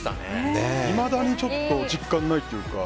いまだに実感ないっていうか。